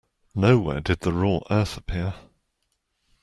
Nowhere did the raw earth appear.